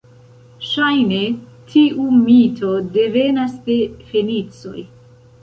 Ŝajne, tiu mito devenas de fenicoj.